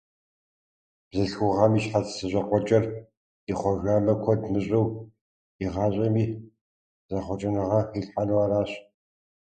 Бзылъхугъэм и щхьэц зэщӀэкъуэкӀэр ихъуэжамэ, куэд мыщӀэу и гъащӀэми зэхъуэкӀыныгъэ хилъхьэну аращ.